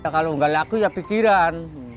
kalau nggak laku ya pikiran